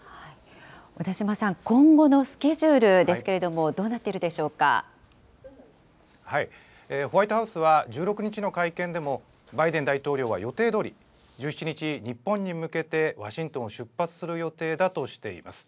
小田島さん、今後のスケジュールですけれども、どうなっていホワイトハウスは、１６日の会見でも、バイデン大統領は予定どおり、１７日、日本に向けてワシントンを出発する予定だとしています。